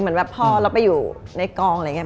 เหมือนแบบพอเราไปอยู่ในกองอะไรอย่างนี้